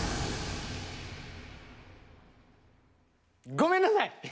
ごめんなさい。